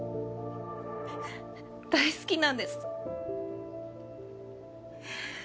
大好きなんです。